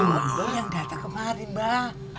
dato yang datang kemarin mbak